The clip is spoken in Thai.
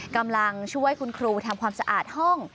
กำลังช่วยคุณครูทำความสะอาดห้อง